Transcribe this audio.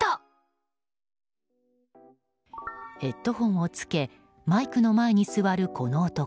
ヘッドホンをつけマイクの前に座るこの男。